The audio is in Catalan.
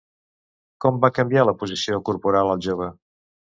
Com va canviar la posició corporal el jove?